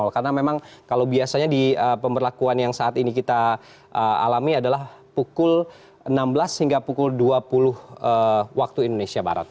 karena memang kalau biasanya di pemberlakuan yang saat ini kita alami adalah pukul enam belas hingga pukul dua puluh waktu indonesia barat